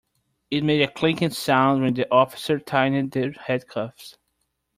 It made a clicking sound when the officer tightened the handcuffs.